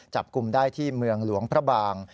จับกลุ่มได้ที่เมืองหลวงพระบาง